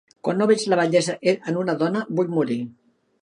Quan no veig la bellesa en una dona, vull morir.